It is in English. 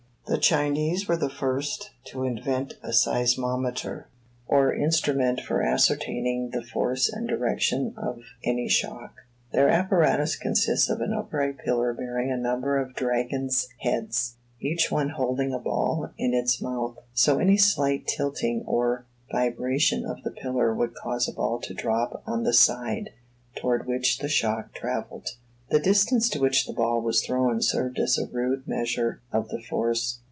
The Chinese were the first to invent a seismometer, or instrument for ascertaining the force and direction of any shock. Their apparatus consists of an upright pillar bearing a number of dragons' heads each one holding a ball in its mouth. So any slight tilting or vibration of the pillar would cause a ball to drop on the side toward which the shock travelled. The distance to which the ball was thrown served as a rude measure of the force.